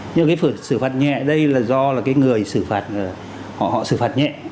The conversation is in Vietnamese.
nhưng cái xử phạt nhẹ đây là do là cái người xử phạt họ xử phạt nhẹ